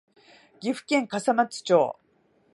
岐阜県笠松町